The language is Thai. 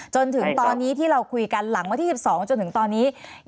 จนถึงตอนนี้ที่เราคุยกันหลังวันที่๑๒จนถึงตอนนี้